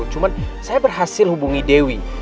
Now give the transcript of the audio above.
cuma saya berhasil hubungi dewi